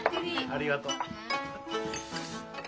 ありがとう。